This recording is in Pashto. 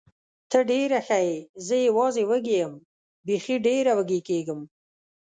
ته ډېره ښه یې، زه یوازې وږې یم، بېخي ډېره وږې کېږم.